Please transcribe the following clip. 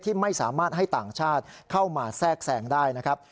ไม่สามารถให้ต่างชาติเข้ามาแทรกแทรงได้นะครับ